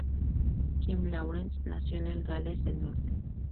Kim Lawrence nació en el Gales del Norte.